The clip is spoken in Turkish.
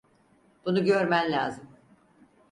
Bunu görmen lazım.